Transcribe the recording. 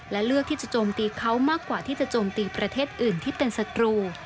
และเลือกที่จะโจมตีเขามากกว่าที่จะโจมตีประเทศอื่นที่เป็นศัตรู